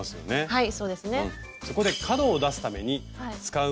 はい。